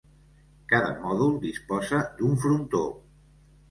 Cada mòdul disposa d'un frontó.